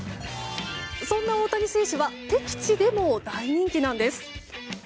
そんな大谷選手は敵地でも大人気なんです。